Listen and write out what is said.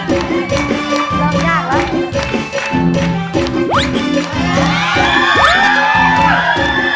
เริ่มยากแล้ว